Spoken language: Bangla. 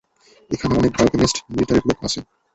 এখানে অনেক বায়োকেমিস্ট, মিলিটারির লোক আছে!